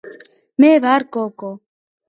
მე ვარ გოგო